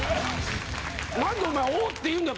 何でお前「おおっ」て言うんだよ